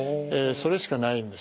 それしかないんですね。